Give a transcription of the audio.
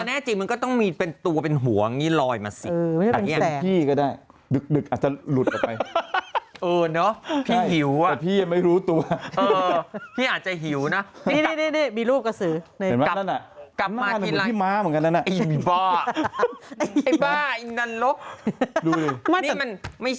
แน่จริงมันก็ต้องมีเป็นตัวเป็นหัวอย่างนี้ลอยมาสิหลุดออกไป